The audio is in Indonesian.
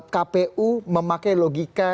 kpu memakai logika